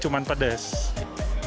jadi sehingga rasanya juga muncul gitu